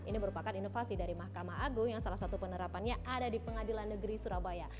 ini merupakan inovasi dari mahkamah agung yang salah satu penerapannya ada di pengadilan negeri surabaya